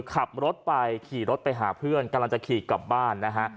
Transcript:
ขับรถไปขี่รถไปหาเพื่อนกำลังจะขี่กลับบ้านนะฮะ